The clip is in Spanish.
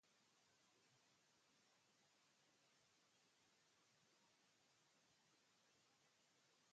Asequibles en un rango de dureza amplio, ambos en forma celular y compacta.